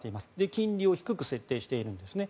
金利を低く設定しているんですね。